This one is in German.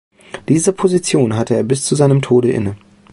Diese Position hatte er bis zu seinem Tode inne.